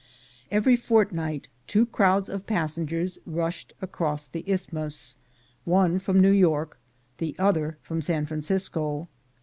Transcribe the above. Every fortnight two crowds of passengers rushed across the Isthmus, one from New York, the other from San Francisco.